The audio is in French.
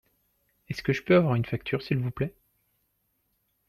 Est-ce que je peux avoir une facture s'il vous plait ?